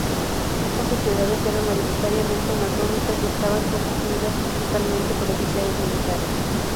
Estas sociedades eran mayoritariamente masónicas y estaban constituidas principalmente por oficiales militares.